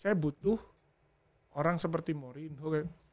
saya butuh orang seperti mourinho